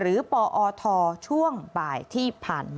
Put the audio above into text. เออใช่